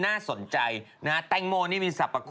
น่าสนใจนะฮะแตงโมนี่มีสรรพคุณ